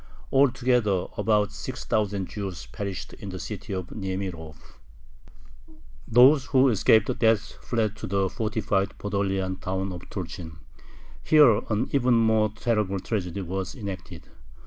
Altogether about six thousand Jews perished in the city of Niemirov. Those who escaped death fled to the fortified Podolian town of Tulchyn. Here an even more terrible tragedy was enacted.